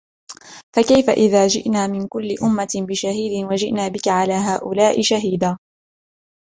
فَكَيْفَ إِذَا جِئْنَا مِنْ كُلِّ أُمَّةٍ بِشَهِيدٍ وَجِئْنَا بِكَ عَلَى هَؤُلَاءِ شَهِيدًا